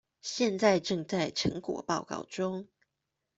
現在正在成果報告中